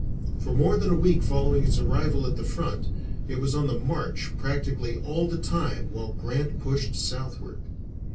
For more than a week following its arrival at the front it was on the march practically all the time while Grant pushed southward.